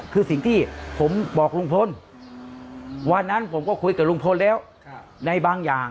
คือสิ่งที่ผมบอกลุงพลวันนั้นผมก็คุยกับลุงพลแล้วในบางอย่าง